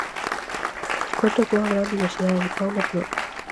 Conta cunha gran diversidade de fauna e flora.